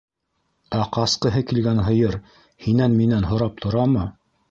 Ә ҡасҡыһы килгән һыйыр һинән-минән һорап торамы?